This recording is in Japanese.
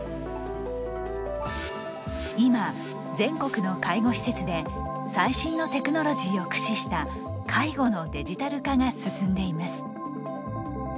今全国の介護施設で最新のテクノロジーを駆使した介護のデジタル化が進んでいます。